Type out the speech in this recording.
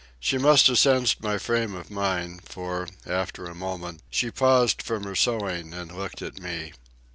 She must have sensed my frame of mind, for, after a moment, she paused from her sewing and looked at me.